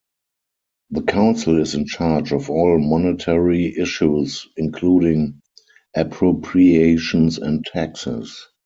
The council is in charge of all monetary issues including appropriations and taxes.